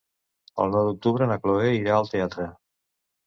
El nou d'octubre na Cloè irà al teatre.